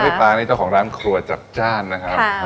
ปลานี่เจ้าของร้านครัวจัดจ้านนะครับ